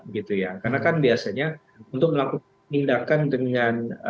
karena kan biasanya untuk melakukan tindakan dengan